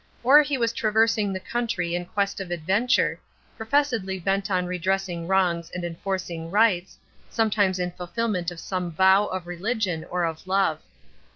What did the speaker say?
Or he was traversing the country in quest of adventure, professedly bent on redressing wrongs and enforcing rights, sometimes in fulfilment of some vow of religion or of love.